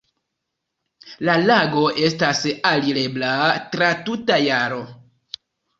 La lago estas alirebla tra tuta jaro.